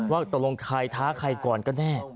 ว่าตกลงใครท้าใครก่อนก็แน่